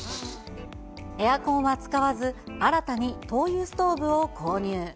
エアコンは使わず、新たに灯油ストーブを購入。